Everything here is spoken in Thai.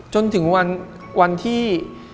จนถึงวันที่